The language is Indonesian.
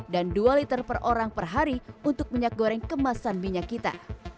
dan dua liter per orang per hari untuk minyak goreng kemasan minyak kita